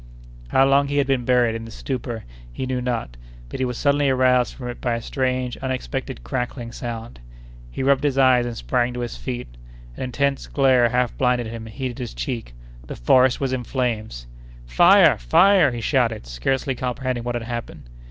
How long he had been buried in this stupor he knew not, but he was suddenly aroused from it by a strange, unexpected crackling sound. He rubbed his eyes and sprang to his feet. An intense glare half blinded him and heated his cheek—the forest was in flames! "Fire! fire!" he shouted, scarcely comprehending what had happened.